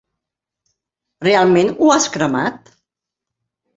Realment ho has cremat?